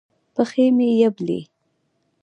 پښې مې یبلي